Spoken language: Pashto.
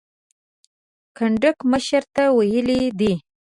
کنډک مشر ته ویلي دي.